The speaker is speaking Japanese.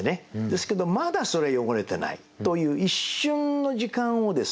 ですけどまだそれは汚れてないという一瞬の時間をですね